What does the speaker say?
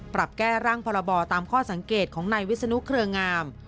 ปรับแก้ร่างพรบตามข้อสังเกตของนายวิศนุเครืองาม